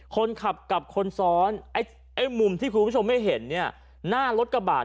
คนขับกับคนซ้อนไอ้มุมที่คุณผู้ชมไม่เห็นเนี่ยหน้ารถกระบาด